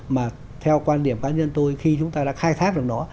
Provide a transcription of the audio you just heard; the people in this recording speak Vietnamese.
mà theo quan điểm cá nhân tôi khi chúng ta đã khai thác được nó